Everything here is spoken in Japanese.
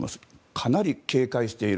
かなり警戒している。